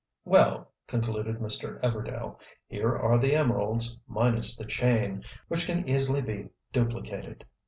"Well," concluded Mr. Everdail, "here are the emeralds, minus the chain, which can easily be duplicated.